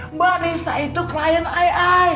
mbak nisa itu klien ai